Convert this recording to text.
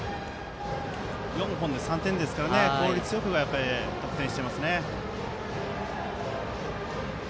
４本で３点ですから効率よく得点してますね。